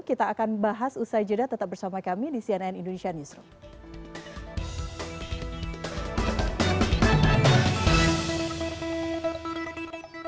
kita akan bahas usai jeda tetap bersama kami di cnn indonesia newsroom